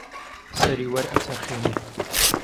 سەری وەرئەچەرخێنێ